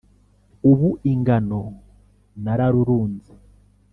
Ubu ingano nararunze